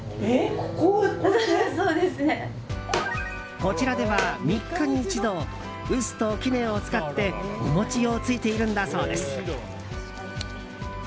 こちらでは３日に１度臼と杵を使ってお餅をついているんだそうです。